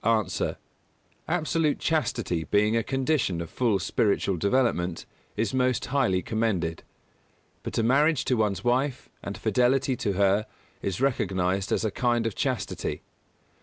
_ A. Absolute chastity being a condition of full spiritual development, is most highly commended; but a marriage to one wife and fidelity to her is recognised as a kind of chastity.